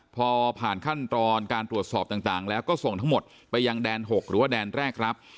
พอผ่านขั้นตอนการตรวจสอบต่างแล้วก็ส่งทั้งหมดไปยังแดน๖หรือว่าแดนแรกรับ